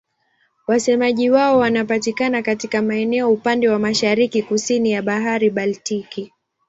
Wasemaji wao wanapatikana katika maeneo upande wa mashariki-kusini ya Bahari Baltiki.